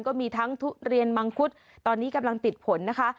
ก็มีทั้งทุเรียนมังคุดตอนนี้กำลังติดผลนะคะ